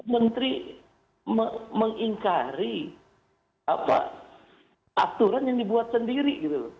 menteri mengingkari aturan yang dibuat sendiri